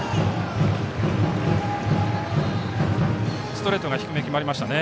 ストレート、低め決まりましたね。